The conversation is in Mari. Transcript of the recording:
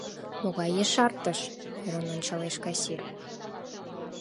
— Могай ешартыш? — ӧрын ончалеш кассир.